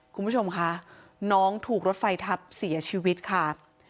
คุณผู้ชมค่ะน้องถูกรถไฟทับเสียชีวิตค่ะ